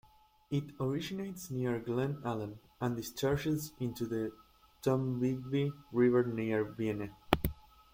It originates near Glen Allen, and discharges into the Tombigbee River near Vienna.